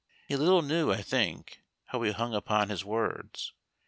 He little knew, I think, how we hung upon his words.